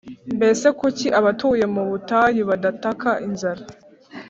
mbese kuki abatuye mu butayu badataka inzara,